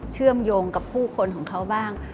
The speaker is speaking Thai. เชื่อมโยงกับผู้คนของเขาบ้าง